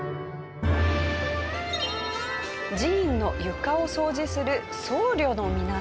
寺院の床を掃除する僧侶の皆さんです。